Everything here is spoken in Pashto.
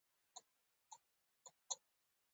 سلیمان غر د افغانستان د انرژۍ سکتور برخه ده.